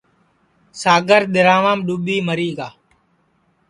ساگر دِرھاوام ڈُؔوٻی مری گا